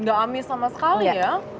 tidak amis sama sekali ya